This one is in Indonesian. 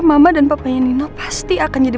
mama dan papanya nino pasti akan jadi